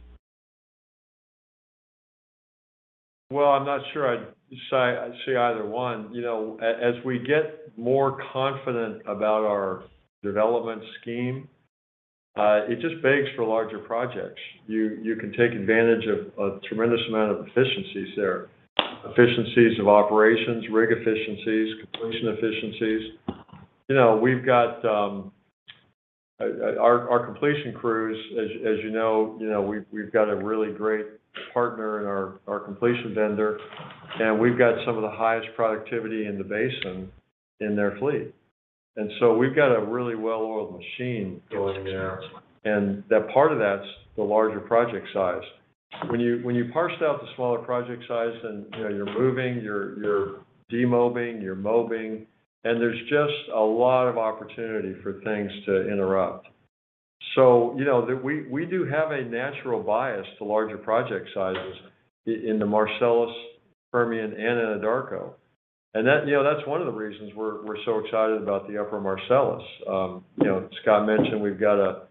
Well, I'm not sure I'd say either one. You know, as we get more confident about our development scheme, it just begs for larger projects. You can take advantage of a tremendous amount of efficiencies there. Efficiencies of operations, rig efficiencies, completion efficiencies. You know, we've got our completion crews, as you know, we've got a really great partner in our completion vendor, and we've got some of the highest productivity in the basin in their fleet. We've got a really well-oiled machine going there. That part of that's the larger project size. When you parse out the smaller project size and, you know, you're moving, you're demobbing, you're mobbing, and there's just a lot of opportunity for things to interrupt. You know, we do have a natural bias to larger project sizes in the Marcellus, Permian, and in Anadarko. That, you know, that's one of the reasons we're so excited about the Upper Marcellus. You know, Scott mentioned we've got a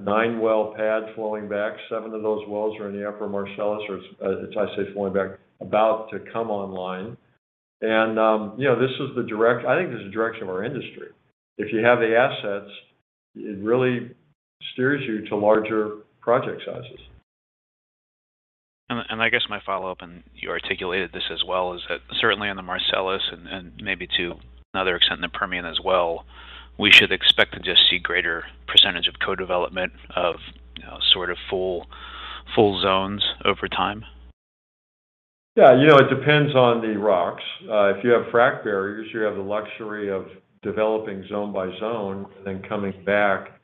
nine-well pad flowing back. Seven of those wells are in the Upper Marcellus, or it's, I say, flowing back, about to come online. You know, I think this is the direction of our industry. If you have the assets, it really steers you to larger project sizes. I guess my follow-up, and you articulated this as well, is that certainly on the Marcellus and maybe to another extent in the Permian as well, we should expect to just see greater percentage of co-development of, you know, sort of full zones over time? Yeah. You know, it depends on the rocks. If you have frac barriers, you have the luxury of developing zone by zone, then coming back.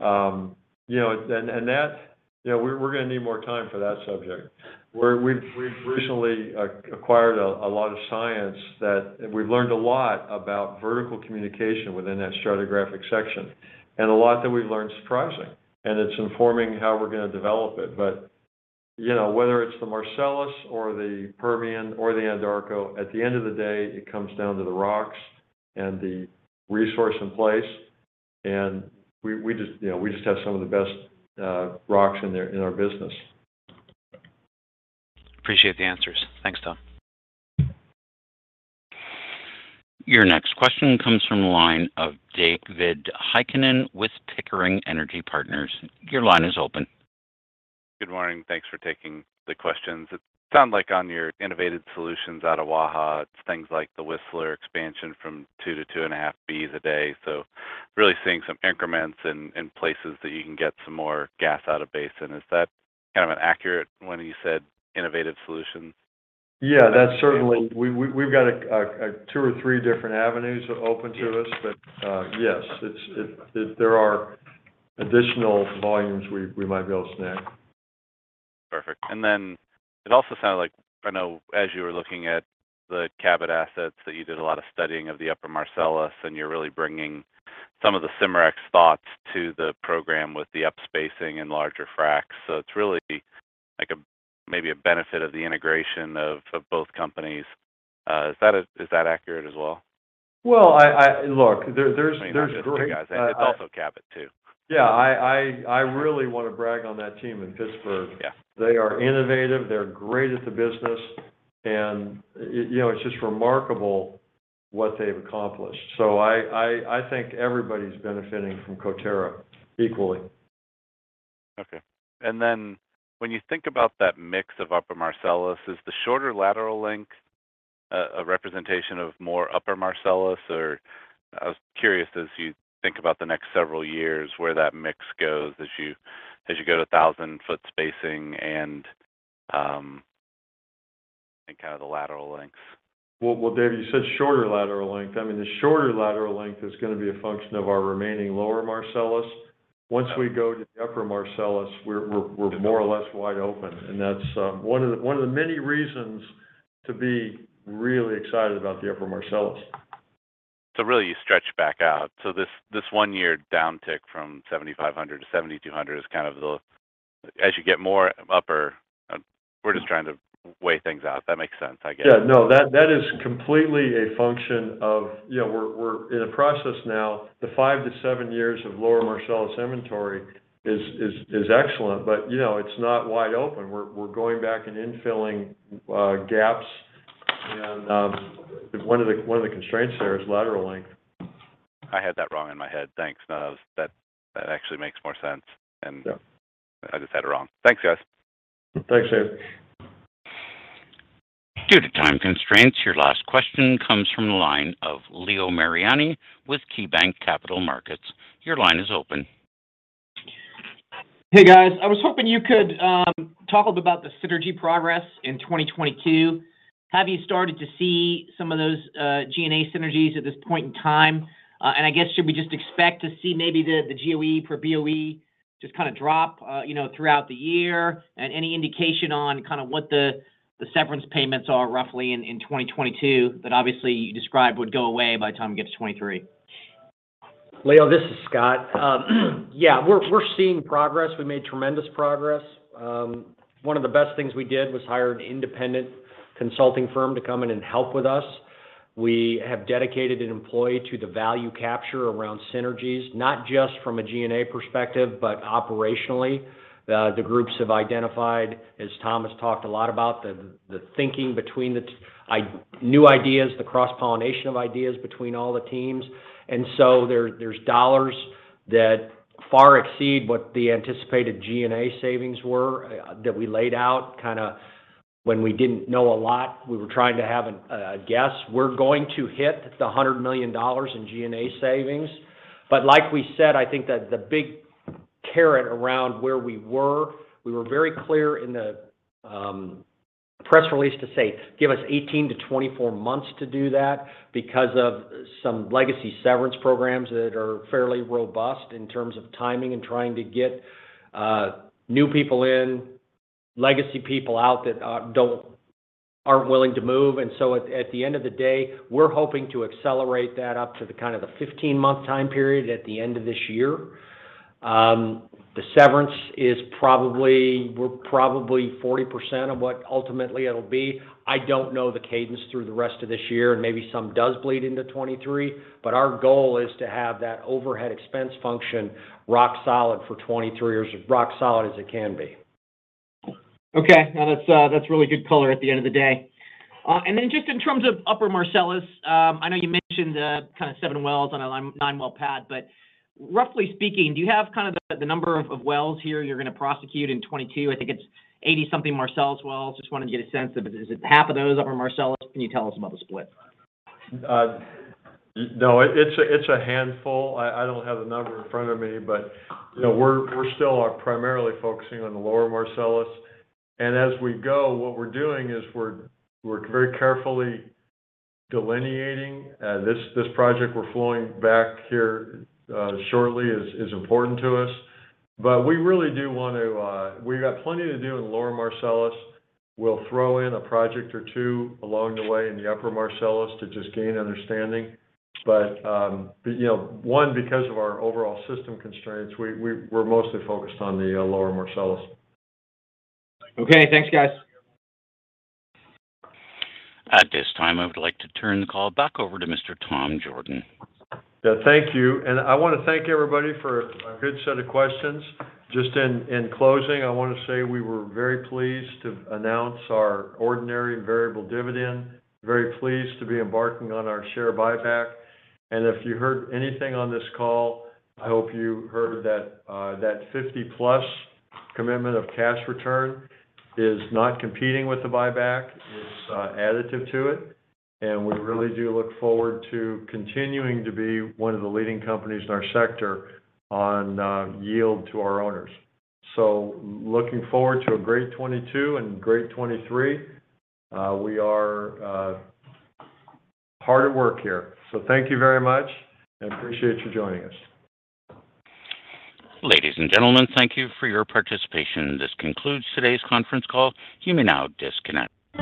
You know, that's. You know, we're gonna need more time for that subject. We've recently acquired a lot of science, and we've learned a lot about vertical communication within that stratigraphic section, and a lot that we've learned is surprising, and it's informing how we're gonna develop it. But You know, whether it's the Marcellus or the Permian or the Anadarko, at the end of the day, it comes down to the rocks and the resource in place. We just, you know, we just have some of the best rocks in our business. Appreciate the answers. Thanks, Tom. Your next question comes from the line of David Heikkinen with Pickering Energy Partners. Your line is open. Good morning. Thanks for taking the questions. It sounds like on your innovative solutions out of Waha, it's things like the Whistler expansion from 2 BCF-2.5 BCF a day. Really seeing some increments in places that you can get some more gas out of basin. Is that kind of an accurate when you said innovative solutions? Yeah. That's certainly. We've got a two or three different avenues open to us. Yeah. Yes. There are additional volumes we might be able to snag. Perfect. It also sounded like, I know as you were looking at the Cabot assets, that you did a lot of studying of the Upper Marcellus, and you're really bringing some of the Cimarex thoughts to the program with the up-spacing and larger fracs. It's really like a, maybe a benefit of the integration of both companies. Is that accurate as well? Well, look, there's great- I mean, not just you guys. It's also Cabot too. Yeah. I really wanna brag on that team in Pittsburgh. Yeah. They are innovative, they're great at the business, and you know, it's just remarkable what they've accomplished. I think everybody's benefiting from Coterra equally. Okay. When you think about that mix of Upper Marcellus, is the shorter lateral length a representation of more Upper Marcellus? Or I was curious as you think about the next several years, where that mix goes as you go to 1,000-foot spacing and kind of the lateral lengths. Well, Dave, you said shorter lateral length. I mean, the shorter lateral length is gonna be a function of our remaining Lower Marcellus. Once we go to the Upper Marcellus, we're more or less wide open, and that's one of the many reasons to be really excited about the Upper Marcellus. Really you stretch back out. This one year downtick from 7,500-7,200 is kind of the. We're just trying to weigh things out. That makes sense, I guess. Yeah. No. That is completely a function of, you know, we're in a process now. The five to seven years of Lower Marcellus inventory is excellent, but you know, it's not wide open. We're going back and infilling gaps. One of the constraints there is lateral length. I had that wrong in my head. Thanks. No, that actually makes more sense. Yeah. I just had it wrong. Thanks, guys. Thanks, Dave. Due to time constraints, your last question comes from the line of Leo Mariani with KeyBanc Capital Markets. Your line is open. Hey, guys. I was hoping you could talk about the synergy progress in 2022. Have you started to see some of those G&A synergies at this point in time? I guess should we just expect to see maybe the GOE per BOE just kinda drop, you know, throughout the year? Any indication on kinda what the severance payments are roughly in 2022 that obviously you described would go away by the time we get to 2023? Leo, this is Scott. We're seeing progress. We made tremendous progress. One of the best things we did was hire an independent consulting firm to come in and help with us. We have dedicated an employee to the value capture around synergies, not just from a G&A perspective, but operationally. The groups have identified, as Tom has talked a lot about, the thinking between the teams. I mean new ideas, the cross-pollination of ideas between all the teams. There's dollars that far exceed what the anticipated G&A savings were, that we laid out kinda when we didn't know a lot. We were trying to have a guess. We're going to hit the $100 million in G&A savings. Like we said, I think that the big carrot around where we were, we were very clear in the press release to say, "Give us 18-24 months to do that," because of some legacy severance programs that are fairly robust in terms of timing and trying to get new people in, legacy people out that aren't willing to move. At the end of the day, we're hoping to accelerate that up to the kind of the 15-month time period at the end of this year. The severance is probably we're 40% of what ultimately it'll be. I don't know the cadence through the rest of this year, and maybe some does bleed into 2023, but our goal is to have that overhead expense function rock solid for 2023, or as rock solid as it can be. Okay. No, that's really good color at the end of the day. Just in terms of Upper Marcellus, I know you mentioned kinda seven wells on a nine-well pad, but roughly speaking, do you have kind of the number of wells here you're gonna prosecute in 2022? I think it's 80-something Marcellus wells. Just wanted to get a sense of is it half of those Upper Marcellus? Can you tell us about the split? It's a handful. I don't have the number in front of me, but you know, we're still primarily focusing on the Lower Marcellus. As we go, what we're doing is we're very carefully delineating this project we're flowing back here shortly, is important to us. We really do want to. We've got plenty to do in Lower Marcellus. We'll throw in a project or two along the way in the Upper Marcellus to just gain understanding. You know, because of our overall system constraints, we're mostly focused on the Lower Marcellus. Okay. Thanks, guys. At this time, I would like to turn the call back over to Mr. Tom Jorden. Yeah, thank you. I wanna thank everybody for a good set of questions. Just in closing, I wanna say we were very pleased to announce our ordinary and variable dividend, very pleased to be embarking on our share buyback. If you heard anything on this call, I hope you heard that 50+ commitment of cash return is not competing with the buyback. It's additive to it. We really do look forward to continuing to be one of the leading companies in our sector on yield to our owners. Looking forward to a great 2022 and great 2023. We are hard at work here. Thank you very much and appreciate you joining us. Ladies and gentlemen, thank you for your participation. This concludes today's conference call. You may now disconnect.